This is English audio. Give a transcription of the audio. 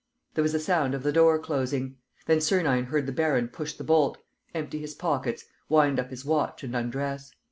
There was a sound of the door closing. Then Sernine heard the baron push the bolt, empty his pockets, wind up his watch and undress.